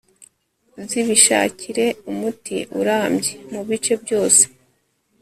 zibishakire umuti urambye. mu bice byose